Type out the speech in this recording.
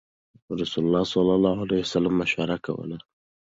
رسول الله صلی الله عليه وسلم مشوره کوله.